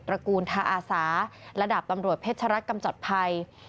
ระกูลทาอาสาและดาบตำรวจเพชรัตกำจัดภัย